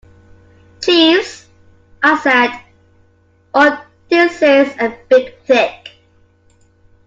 "Jeeves," I said, "all this is a bit thick."